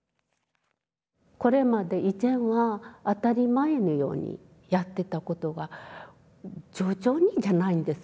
これまで以前は当たり前のようにやってたことが徐々にじゃないんです